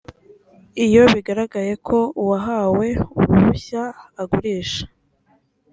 iyo bigaragaye ko uwahawe uruhushya agurisha